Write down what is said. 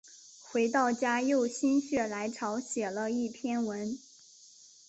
回到家又心血来潮写了一篇文